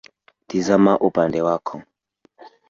Tizama upande wako